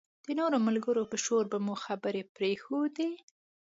د نورو ملګرو په شور به مو خبرې پرېښودې.